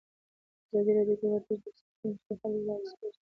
ازادي راډیو د ورزش د ستونزو حل لارې سپارښتنې کړي.